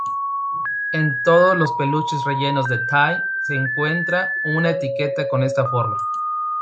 En todos los peluches rellenos de Ty se encuentra una etiqueta con esta forma.